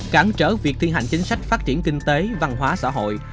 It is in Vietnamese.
cản trở việc thi hành chính sách phát triển kinh tế văn hóa xã hội